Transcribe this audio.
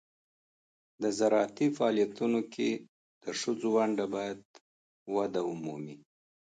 د زراعتي فعالیتونو کې د ښځو ونډه باید وده ومومي.